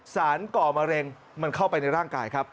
ก่อมะเร็งมันเข้าไปในร่างกายครับ